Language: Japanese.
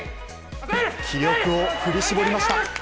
気力を振り絞りました。